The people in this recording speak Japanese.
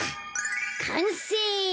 かんせい！